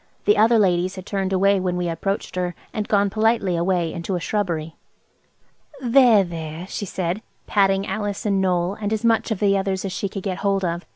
The other ladies had turned away when we approached her, and gone politely away into a shrubbery. "There, there," she said, patting Alice and Noël and as much of the others as she could get hold of.